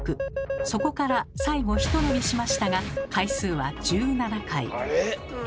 そこから最後ひと伸びしましたが回数は１７回。